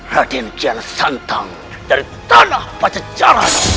raden kialah santang dari tanah panjajaran